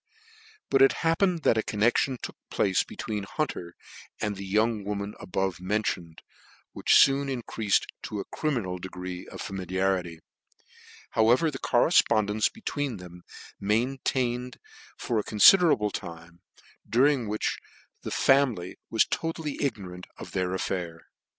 But it happened that a connection took place between Hunter and the young woman above mentioned, which foon increated to a criminal degree of familiarity , however the correfpond cnce between them was maintained for a confider able time, during which the family was totally ignorant of the affair.